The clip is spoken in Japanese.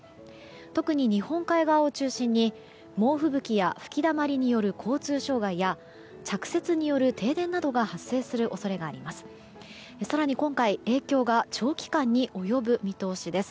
特に日本海側を中心に猛吹雪や吹きだまりによる交通障害や着雪による停電などが発生する恐れがあります。